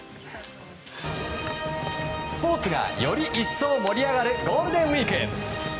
スポーツがより一層盛り上がるゴールデンウィーク！